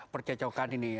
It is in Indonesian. percecaukan ini ya